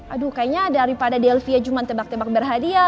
aduh kayaknya daripada delvia cuma tebak tembak berhadiah